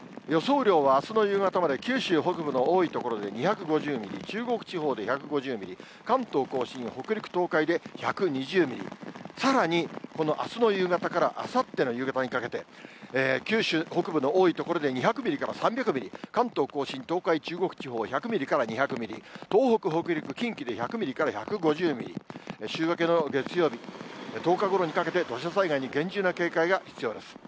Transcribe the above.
雨量はあすの夕方まで、九州北部の多い所で２５０ミリ、中国地方で１５０ミリ、関東甲信、北陸、東海で１２０ミリ、さらにこのあすの夕方からあさっての夕方にかけて、九州北部の多い所で２００ミリから３００ミリ、関東甲信、東海、中国地方１００ミリから２００ミリ、東北、北陸、近畿で１００ミリから１５０ミリ、週明けの月曜日、１０日ごろにかけて土砂災害に厳重な警戒が必要です。